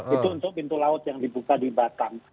itu untuk pintu laut yang dibuka di batam